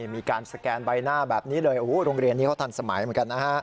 มีการสแกนใบหน้าแบบนี้เลยโอ้โหโรงเรียนนี้เขาทันสมัยเหมือนกันนะฮะ